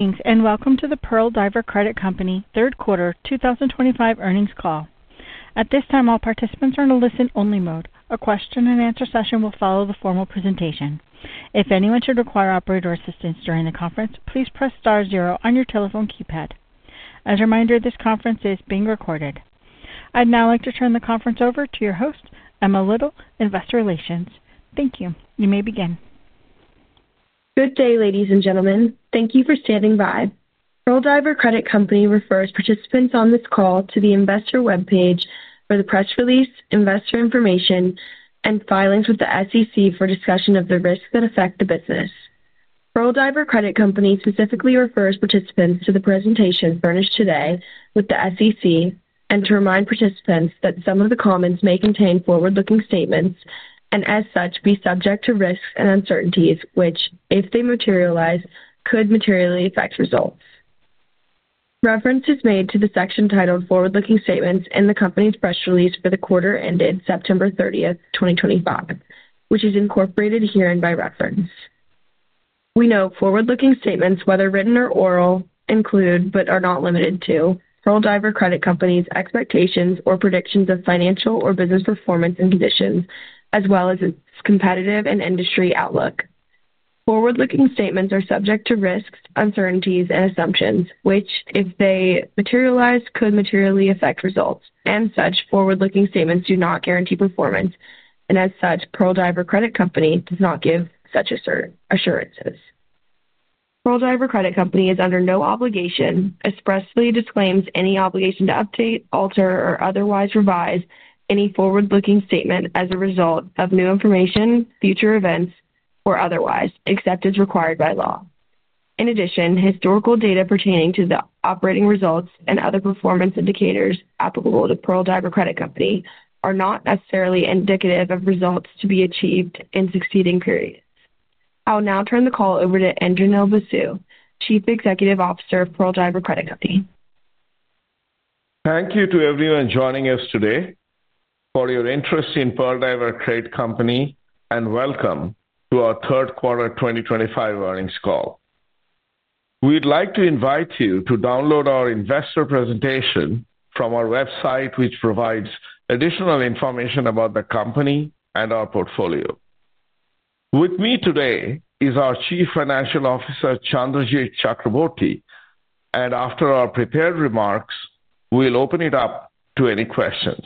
Thanks, and welcome to the Pearl Diver Credit Company third quarter 2025 earnings call. At this time, all participants are in a listen-only mode. A question-and-answer session will follow the formal presentation. If anyone should require operator assistance during the conference, please press star zero on your telephone keypad. As a reminder, this conference is being recorded. I'd now like to turn the conference over to your host, Emma Little, Investor Relations. Thank you. You may begin. Good day, ladies and gentlemen. Thank you for standing by. Pearl Diver Credit Company refers participants on this call to the investor web page for the press release, investor information, and filings with the SEC for discussion of the risks that affect the business. Pearl Diver Credit Company specifically refers participants to the presentation furnished today with the SEC and to remind participants that some of the comments may contain forward-looking statements and, as such, be subject to risks and uncertainties which, if they materialize, could materially affect results. Reference is made to the section titled Forward-Looking Statements in the company's press release for the quarter ended September 30th, 2025, which is incorporated here in my reference. We know forward-looking statements, whether written or oral, include, but are not limited to, Pearl Diver Credit Company's expectations or predictions of financial or business performance and conditions, as well as its competitive and industry outlook. Forward-looking statements are subject to risks, uncertainties, and assumptions which, if they materialize, could materially affect results. Such forward-looking statements do not guarantee performance, and as such, Pearl Diver Credit Company does not give such assurances. Pearl Diver Credit Company is under no obligation expressly to claim any obligation to update, alter, or otherwise revise any forward-looking statement as a result of new information, future events, or otherwise, except as required by law. In addition, historical data pertaining to the operating results and other performance indicators applicable to Pearl Diver Credit Company are not necessarily indicative of results to be achieved in succeeding periods. I'll now turn the call over to Indranil Basu, Chief Executive Officer of Pearl Diver Credit Company. Thank you to everyone joining us today for your interest in Pearl Diver Credit Company, and welcome to our third quarter 2025 earnings call. We'd like to invite you to download our investor presentation from our website, which provides additional information about the company and our portfolio. With me today is our Chief Financial Officer, Chandrajit Chakraborty, and after our prepared remarks, we'll open it up to any questions.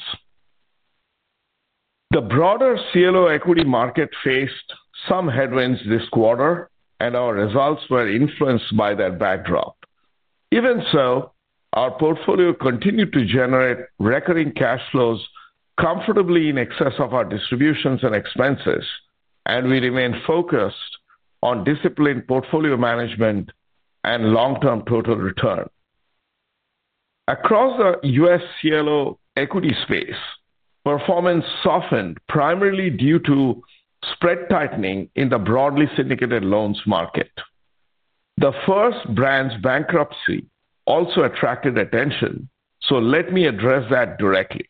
The broader CLO equity market faced some headwinds this quarter, and our results were influenced by that backdrop. Even so, our portfolio continued to generate recurring cash flows comfortably in excess of our distributions and expenses, and we remain focused on disciplined portfolio management and long-term total return. Across the U.S. CLO equity space, performance softened primarily due to spread tightening in the broadly syndicated loans market. The First Brands bankruptcy also attracted attention, so let me address that directly.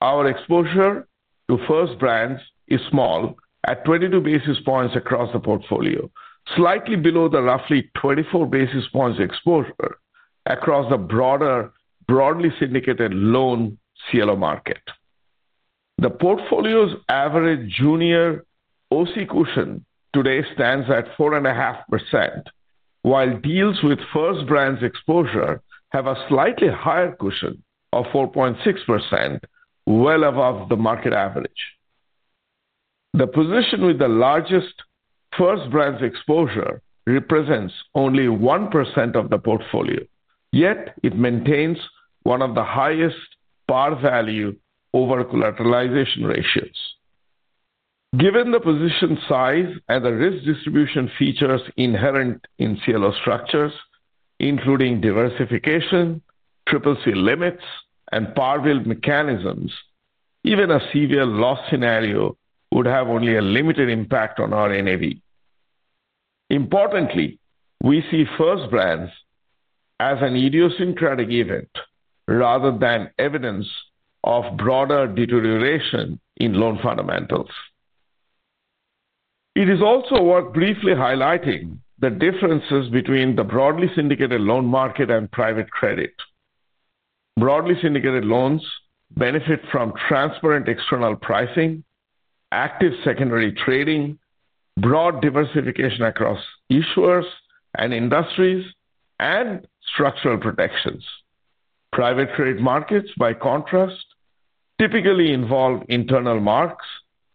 Our exposure to First Brands is small at 22 basis points across the portfolio, slightly below the roughly 24 basis points exposure across the broadly syndicated loan CLO market. The portfolio's average junior OC cushion today stands at 4.5%, while deals with First Brands exposure have a slightly higher cushion of 4.6%, well above the market average. The position with the largest First Brands exposure represents only 1% of the portfolio, yet it maintains one of the highest par value over-collateralization ratios. Given the position size and the risk distribution features inherent in CLO structures, including diversification, triple C limits, and par value mechanisms, even a severe loss scenario would have only a limited impact on our NAV. Importantly, we see First Brands as an idiosyncratic event rather than evidence of broader deterioration in loan fundamentals. It is also worth briefly highlighting the differences between the broadly syndicated loan market and private credit. Broadly syndicated loans benefit from transparent external pricing, active secondary trading, broad diversification across issuers and industries, and structural protections. Private credit markets, by contrast, typically involve internal marks,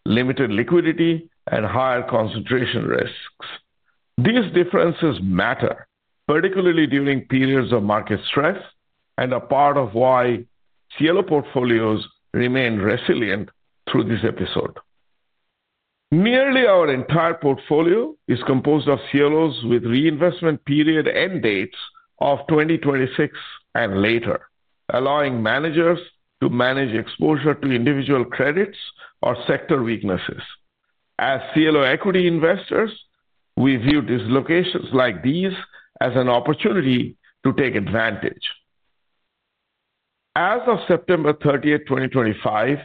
limited liquidity, and higher concentration risks. These differences matter, particularly during periods of market stress, and are part of why CLO portfolios remain resilient through this episode. Nearly our entire portfolio is composed of CLOs with reinvestment period end dates of 2026 and later, allowing managers to manage exposure to individual credits or sector weaknesses. As CLO equity investors, we view dislocations like these as an opportunity to take advantage. As of September 30th, 2025,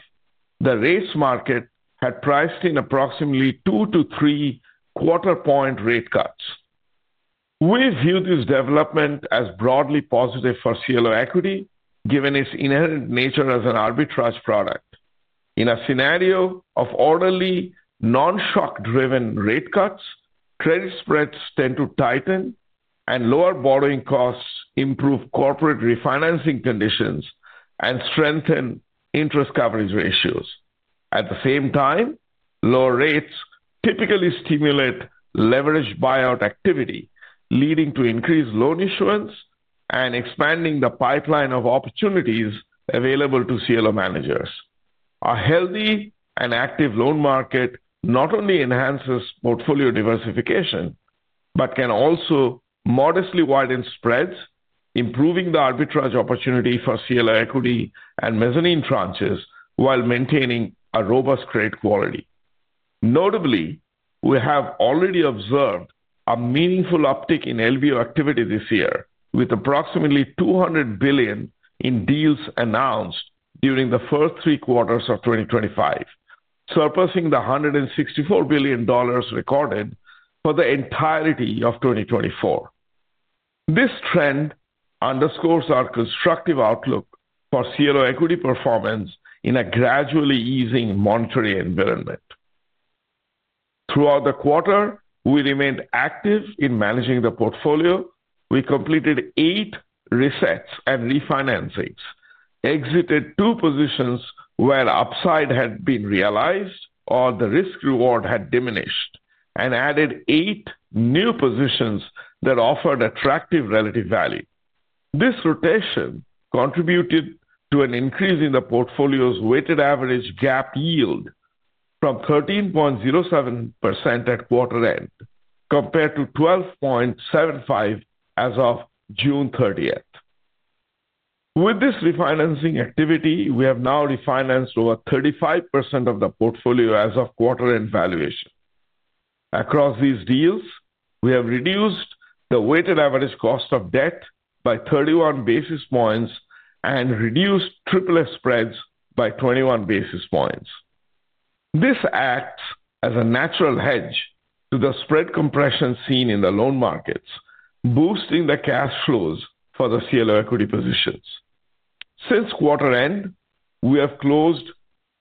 the rates market had priced in approximately two to three quarter-point rate cuts. We view this development as broadly positive for CLO equity, given its inherent nature as an arbitrage product. In a scenario of orderly non-shock-driven rate cuts, credit spreads tend to tighten, and lower borrowing costs improve corporate refinancing conditions and strengthen interest coverage ratios. At the same time, lower rates typically stimulate leveraged buyout activity, leading to increased loan issuance and expanding the pipeline of opportunities available to CLO managers. A healthy and active loan market not only enhances portfolio diversification but can also modestly widen spreads, improving the arbitrage opportunity for CLO equity and mezzanine tranches while maintaining a robust credit quality. Notably, we have already observed a meaningful uptick in LBO activity this year, with approximately $200 billion in deals announced during the first three quarters of 2025, surpassing the $164 billion recorded for the entirety of 2024. This trend underscores our constructive outlook for CLO equity performance in a gradually easing monetary environment. Throughout the quarter, we remained active in managing the portfolio. We completed eight resets and refinancings, exited two positions where upside had been realized or the risk-reward had diminished, and added eight new positions that offered attractive relative value. This rotation contributed to an increase in the portfolio's weighted average gap yield from 13.07% at quarter end compared to 12.75% as of June 30th. With this refinancing activity, we have now refinanced over 35% of the portfolio as of quarter-end valuation. Across these deals, we have reduced the weighted average cost of debt by 31 basis points and reduced triple S spreads by 21 basis points. This acts as a natural hedge to the spread compression seen in the loan markets, boosting the cash flows for the CLO equity positions. Since quarter end, we have closed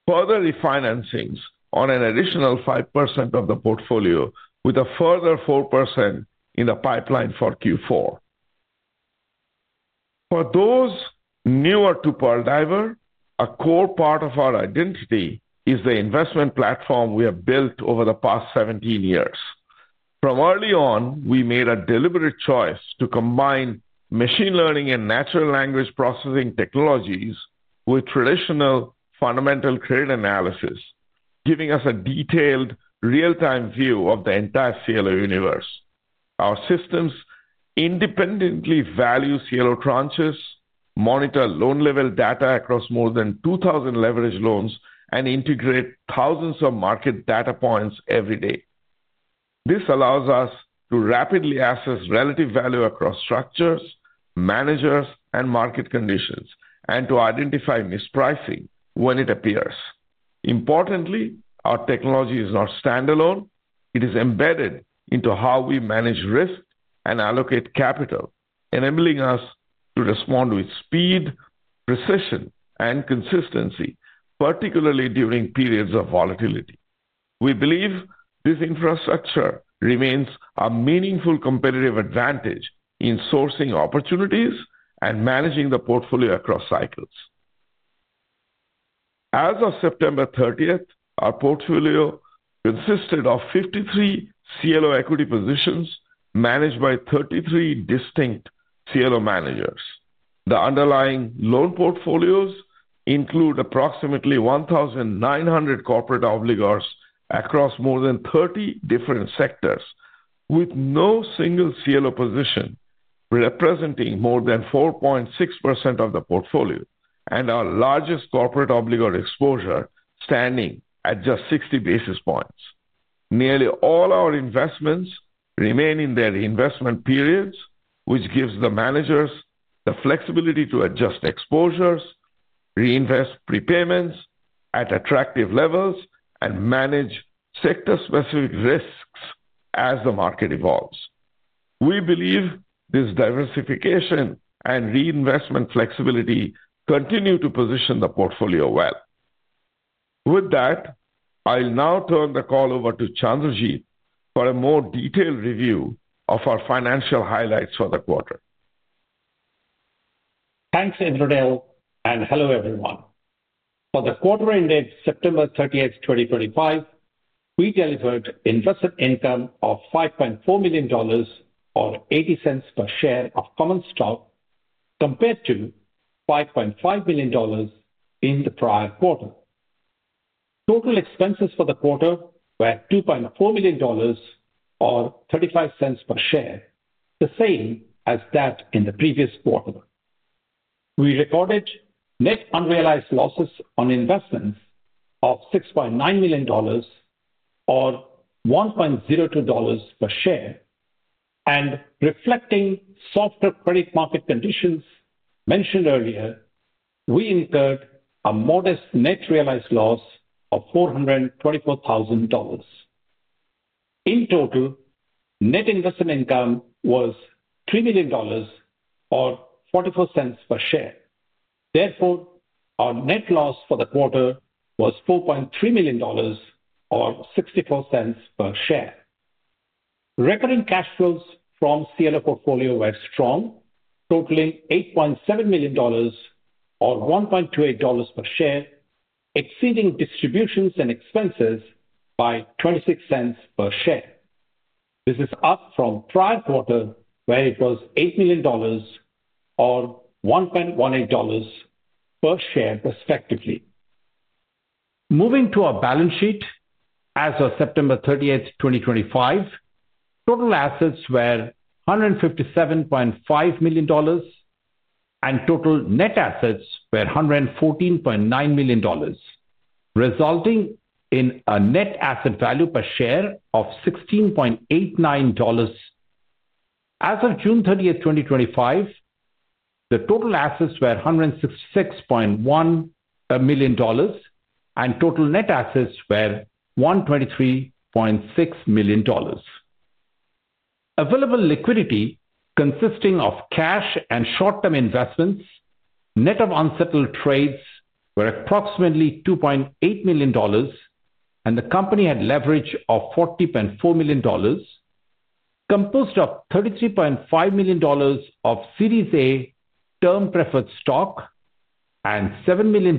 further refinancings on an additional 5% of the portfolio, with a further 4% in the pipeline for Q4. For those newer to Pearl Diver, a core part of our identity is the investment platform we have built over the past 17 years. From early on, we made a deliberate choice to combine machine learning and natural language processing technologies with traditional fundamental credit analysis, giving us a detailed real-time view of the entire CLO universe. Our systems independently value CLO tranches, monitor loan-level data across more than 2,000 leveraged loans, and integrate thousands of market data points every day. This allows us to rapidly assess relative value across structures, managers, and market conditions, and to identify mispricing when it appears. Importantly, our technology is not standalone; it is embedded into how we manage risk and allocate capital, enabling us to respond with speed, precision, and consistency, particularly during periods of volatility. We believe this infrastructure remains a meaningful competitive advantage in sourcing opportunities and managing the portfolio across cycles. As of September 30th, our portfolio consisted of 53 CLO equity positions managed by 33 distinct CLO managers. The underlying loan portfolios include approximately 1,900 corporate obligors across more than 30 different sectors, with no single CLO position representing more than 4.6% of the portfolio and our largest corporate obligor exposure standing at just 60 basis points. Nearly all our investments remain in their reinvestment periods, which gives the managers the flexibility to adjust exposures, reinvest prepayments at attractive levels, and manage sector-specific risks as the market evolves. We believe this diversification and reinvestment flexibility continue to position the portfolio well. With that, I'll now turn the call over to Chandrajit for a more detailed review of our financial highlights for the quarter. Thanks, Indranil, and hello everyone. For the quarter-end date September 30th, 2025, we delivered invested income of $5.4 million or $0.80 per share of common stock compared to $5.5 million in the prior quarter. Total expenses for the quarter were $2.4 million or $0.35 per share, the same as that in the previous quarter. We recorded net unrealized losses on investments of $6.9 million or $1.02 per share, and reflecting softer credit market conditions mentioned earlier, we incurred a modest net realized loss of $424,000. In total, net invested income was $3 million or $0.44 per share. Therefore, our net loss for the quarter was $4.3 million or $0.64 per share. Recurring cash flows from CLO portfolio were strong, totaling $8.7 million or $1.28 per share, exceeding distributions and expenses by $0.26 per share. This is up from prior quarter, where it was $8 million or $1.18 per share respectively. Moving to our balance sheet, as of September 30th, 2025, total assets were $157.5 million and total net assets were $114.9 million, resulting in a net asset value per share of $16.89. As of June 30th, 2025, the total assets were $166.1 million and total net assets were $123.6 million. Available liquidity consisting of cash and short-term investments, net of unsettled trades, were approximately $2.8 million, and the company had leverage of $40.4 million, composed of $33.5 million of Series A term preferred stock and $7 million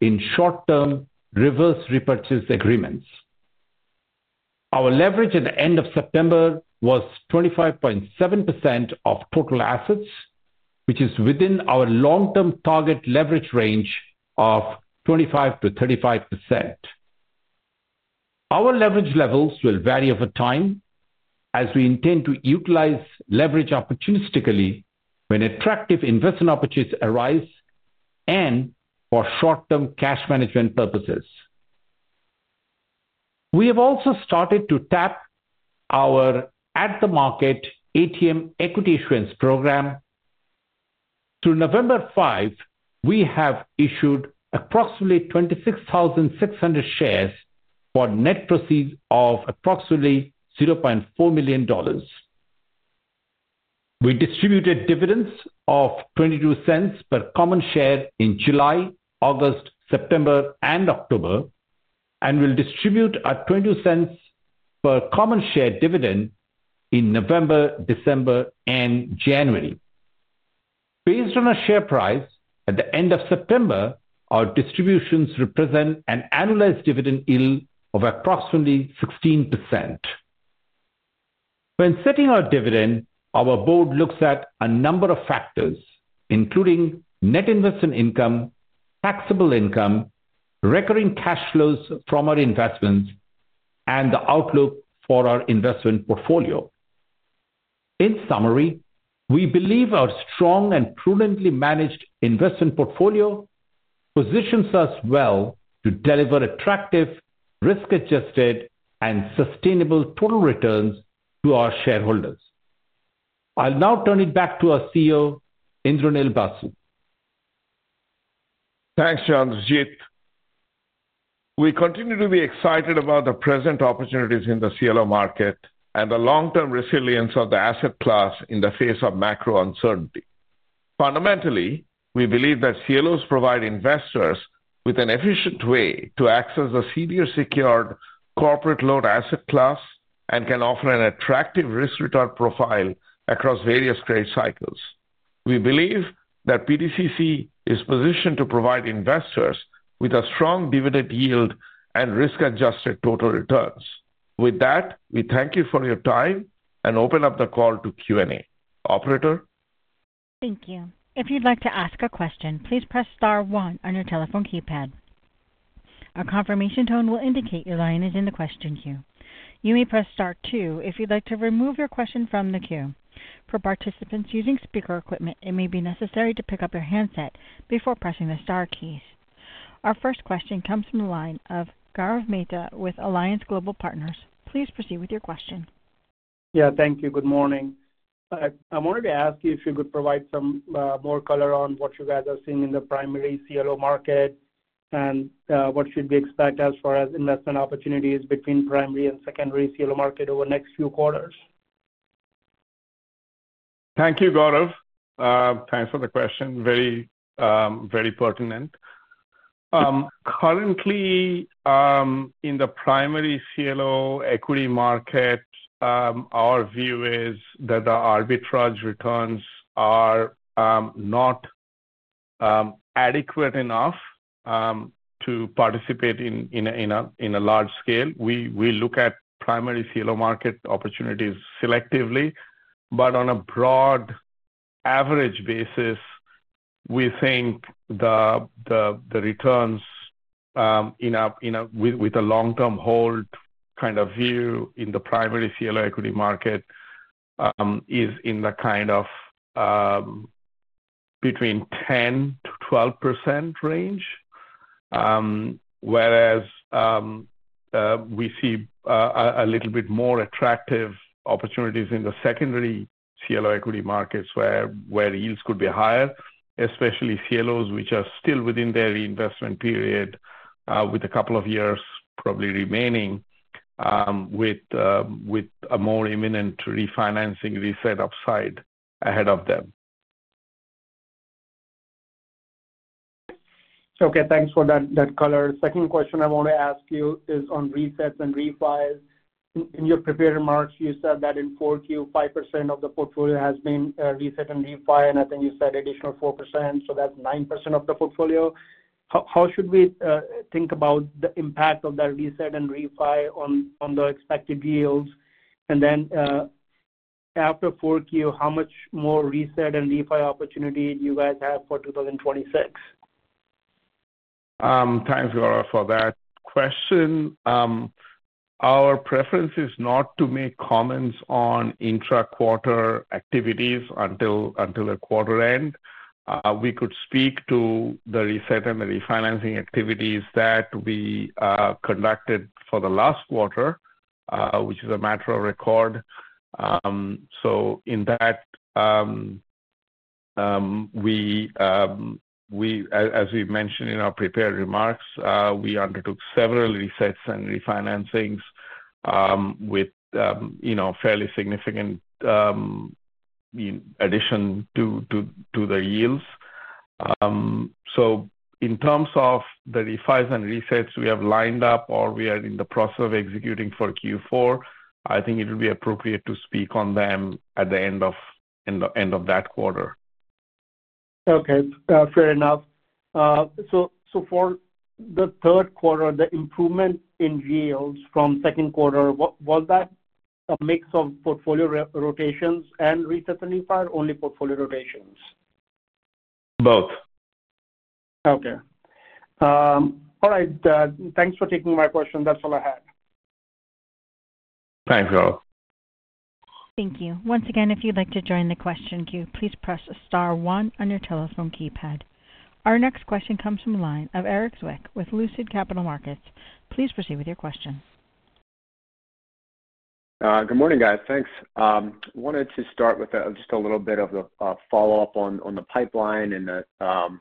in short-term reverse repurchase agreements. Our leverage at the end of September was 25.7% of total assets, which is within our long-term target leverage range of 25%-35%. Our leverage levels will vary over time as we intend to utilize leverage opportunistically when attractive investment opportunities arise and for short-term cash management purposes. We have also started to tap our at-the-market ATM equity issuance program. Through November 5, we have issued approximately 26,600 shares for net proceeds of approximately $0.4 million. We distributed dividends of $0.22 per common share in July, August, September, and October, and will distribute a $0.22 per common share dividend in November, December, and January. Based on our share price at the end of September, our distributions represent an annualized dividend yield of approximately 16%. When setting our dividend, our board looks at a number of factors, including net investment income, taxable income, recurring cash flows from our investments, and the outlook for our investment portfolio. In summary, we believe our strong and prudently managed investment portfolio positions us well to deliver attractive, risk-adjusted, and sustainable total returns to our shareholders. I'll now turn it back to our CEO, Indranil Basu. Thanks, Chandrajit. We continue to be excited about the present opportunities in the CLO market and the long-term resilience of the asset class in the face of macro uncertainty. Fundamentally, we believe that CLOs provide investors with an efficient way to access the senior secured corporate loan asset class and can offer an attractive risk-return profile across various credit cycles. We believe that PDCC is positioned to provide investors with a strong dividend yield and risk-adjusted total returns. With that, we thank you for your time and open up the call to Q&A. Operator. Thank you. If you'd like to ask a question, please press star one on your telephone keypad. A confirmation tone will indicate your line is in the question queue. You may press star two if you'd like to remove your question from the queue. For participants using speaker equipment, it may be necessary to pick up your handset before pressing the star keys. Our first question comes from the line of Gaurav Mehta with Alliance Global Partners. Please proceed with your question. Yeah, thank you. Good morning. I wanted to ask you if you could provide some more color on what you guys are seeing in the primary CLO market and what should we expect as far as investment opportunities between primary and secondary CLO market over the next few quarters. Thank you, Gaurav. Thanks for the question. Very, very pertinent. Currently, in the primary CLO equity market, our view is that the arbitrage returns are not adequate enough to participate in a large scale. We look at primary CLO market opportunities selectively, but on a broad average basis, we think the returns with a long-term hold kind of view in the primary CLO equity market is in the kind of between 10%-12% range, whereas we see a little bit more attractive opportunities in the secondary CLO equity markets where yields could be higher, especially CLOs which are still within their reinvestment period with a couple of years probably remaining with a more imminent refinancing reset upside ahead of them. Okay, thanks for that color. Second question I want to ask you is on resets and refiles. In your prepared remarks, you said that in 4Q, 5% of the portfolio has been reset and refiled, and I think you said additional 4%, so that's 9% of the portfolio. How should we think about the impact of that reset and refile on the expected yields? And then after 4Q, how much more reset and refile opportunity do you guys have for 2026? Thanks, Gaurav, for that question. Our preference is not to make comments on intra-quarter activities until the quarter end. We could speak to the reset and the refinancing activities that we conducted for the last quarter, which is a matter of record. In that, as we mentioned in our prepared remarks, we undertook several resets and refinancings with fairly significant addition to the yields. In terms of the refiles and resets we have lined up or we are in the process of executing for Q4, I think it would be appropriate to speak on them at the end of that quarter. Okay, fair enough. For the third quarter, the improvement in yields from second quarter, was that a mix of portfolio rotations and resets and refiles, or only portfolio rotations? Both. Okay. All right. Thanks for taking my question. That's all I had. Thanks, Gaurav. Thank you. Once again, if you'd like to join the question queue, please press star one on your telephone keypad. Our next question comes from the line of Eric Zweck with Lucid Capital Markets. Please proceed with your question. Good morning, guys. Thanks. Wanted to start with just a little bit of a follow-up on the pipeline and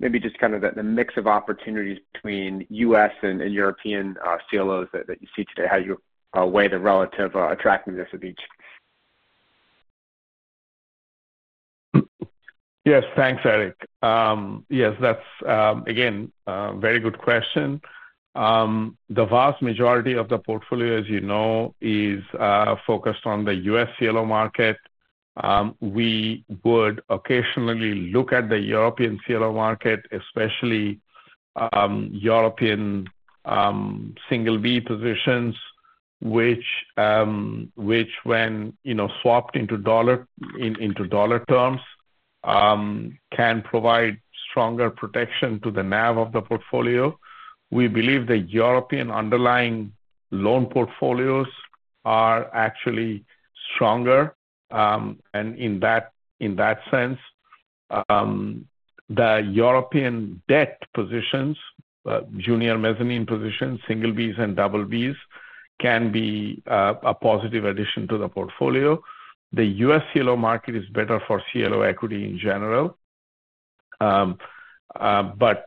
maybe just kind of the mix of opportunities between U.S. and European CLOs that you see today. How do you weigh the relative attractiveness of each? Yes, thanks, Eric. Yes, that's again a very good question. The vast majority of the portfolio, as you know, is focused on the U.S. CLO market. We would occasionally look at the European CLO market, especially European single B positions, which when swapped into dollar terms can provide stronger protection to the NAV of the portfolio. We believe the European underlying loan portfolios are actually stronger. In that sense, the European debt positions, junior mezzanine positions, single Bs and double Bs can be a positive addition to the portfolio. The U.S. CLO market is better for CLO equity in general, but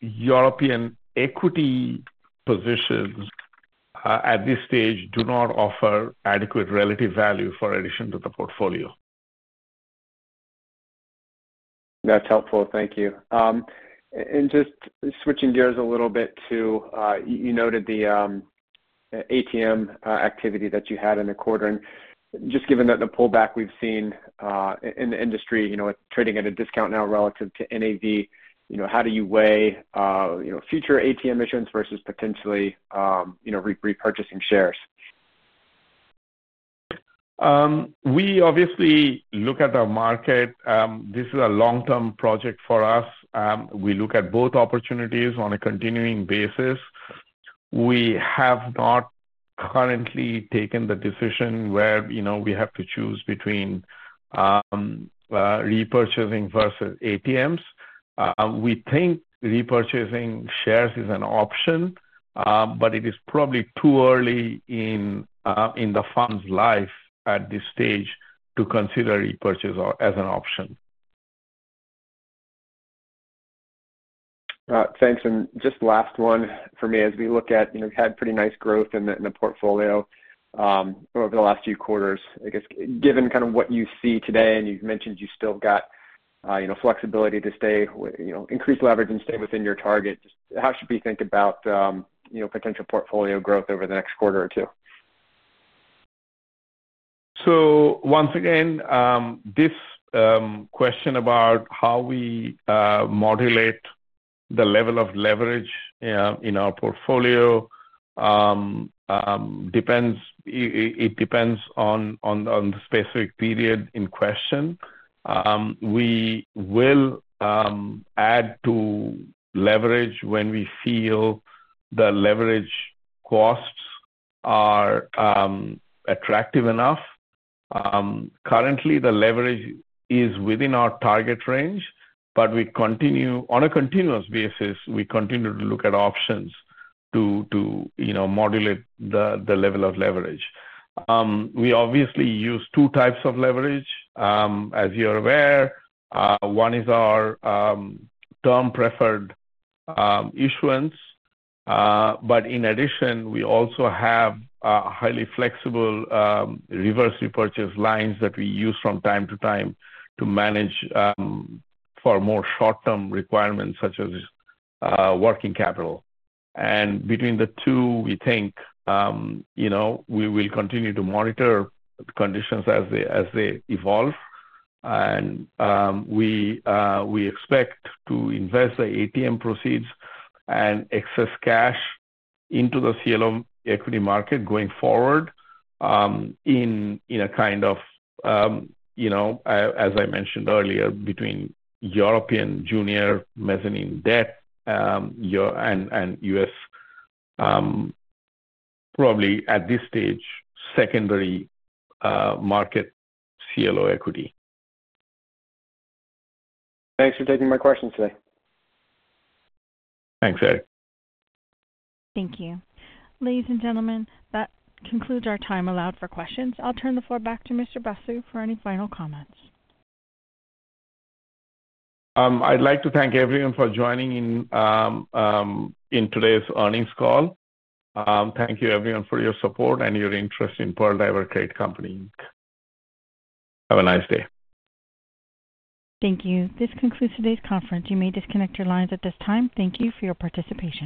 European equity positions at this stage do not offer adequate relative value for addition to the portfolio. That's helpful. Thank you. Just switching gears a little bit to, you noted the ATM activity that you had in the quarter. Just given that the pullback we've seen in the industry, it's trading at a discount now relative to NAV, how do you weigh future ATM issuance versus potentially repurchasing shares? We obviously look at our market. This is a long-term project for us. We look at both opportunities on a continuing basis. We have not currently taken the decision where we have to choose between repurchasing versus ATMs. We think repurchasing shares is an option, but it is probably too early in the fund's life at this stage to consider repurchase as an option. Thanks. Just last one for me, as we look at you had pretty nice growth in the portfolio over the last few quarters. I guess given kind of what you see today, and you mentioned you still got flexibility to increase leverage and stay within your target, how should we think about potential portfolio growth over the next quarter or two? Once again, this question about how we modulate the level of leverage in our portfolio depends on the specific period in question. We will add to leverage when we feel the leverage costs are attractive enough. Currently, the leverage is within our target range, but on a continuous basis, we continue to look at options to modulate the level of leverage. We obviously use two types of leverage, as you're aware. One is our term preferred issuance, but in addition, we also have highly flexible reverse repurchase lines that we use from time to time to manage for more short-term requirements such as working capital. Between the two, we think we will continue to monitor conditions as they evolve. We expect to invest the ATM proceeds and excess cash into the CLO equity market going forward in a kind of, as I mentioned earlier, between European junior mezzanine debt and US, probably at this stage, secondary market CLO equity. Thanks for taking my questions today. Thanks, Eric. Thank you. Ladies and gentlemen, that concludes our time allowed for questions. I'll turn the floor back to Mr. Basu for any final comments. I'd like to thank everyone for joining in today's earnings call. Thank you, everyone, for your support and your interest in Pearl Diver Credit Company. Have a nice day. Thank you. This concludes today's conference. You may disconnect your lines at this time. Thank you for your participation.